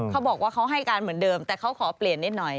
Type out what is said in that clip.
เขาบอกว่าเขาให้การเหมือนเดิมแต่เขาขอเปลี่ยนนิดหน่อย